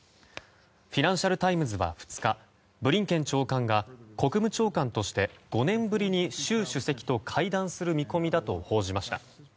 フィナンシャル・タイムズは２日ブリンケン長官が国務長官として５年ぶりに習主席と会談する見込みだと報じました。